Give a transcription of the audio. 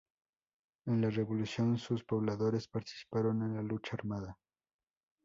En la Revolución, sus pobladores participaron en la lucha armada.